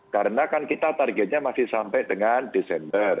karena kan kita targetnya masih sampai dengan desember